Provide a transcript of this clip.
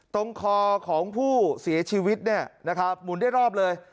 ตรงคอของผู้เสียชีวิตเนี่ยนะครับหมุนได้รอบเลย